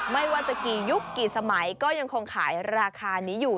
ไม่ว่าจะกี่ยุคกี่สมัยก็ยังคงขายราคานี้อยู่